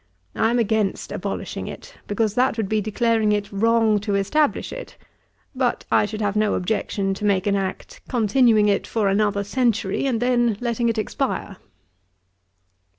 I am against abolishing it; because that would be declaring it wrong to establish it; but I should have no objection to make an act, continuing it for another century, and then letting it expire.'